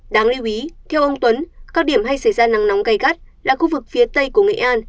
đáng lưu ý theo ông tuấn cao điểm hay xảy ra nắng nóng gây gắt là khu vực phía tây của nghệ an